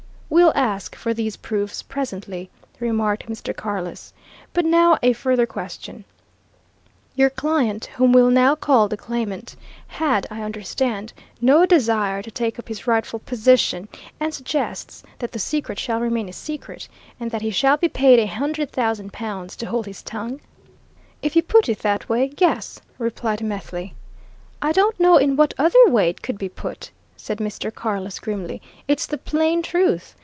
"We'll ask for these proofs presently," remarked Mr. Carless. "But now a further question: Your client whom we'll now call the claimant had, I understand, no desire to take up his rightful position, and suggests that the secret shall remain a secret, and that he shall be paid a hundred thousand pounds to hold his tongue?" "If you put it that way yes," replied Methley. "I don't know in what other way it could be put," said Mr. Carless grimly. "It's the plain truth.